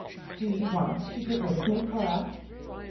"Do you want to get rid of me, Cora?"